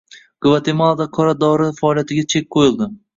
Gvatemalada qora dori faoliyatiga chek qo‘yilding